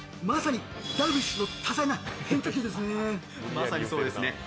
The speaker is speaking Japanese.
まさにそうですね。